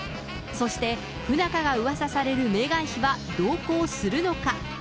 そして、不仲がうわさされるメーガン妃は同行するのか。